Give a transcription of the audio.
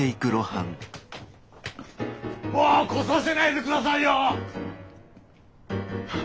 もう来させないでくださいよッ！